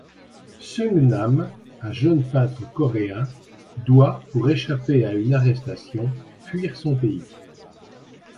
Sung-nam, un jeune peintre coréen, doit, pour échapper à une arrestation fuir son pays.